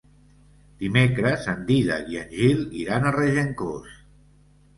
Dimecres en Dídac i en Gil iran a Regencós.